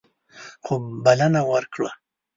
خو بلنه ورکړه.